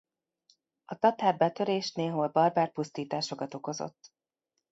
A tatár betörés néhol barbár pusztításokat okozott.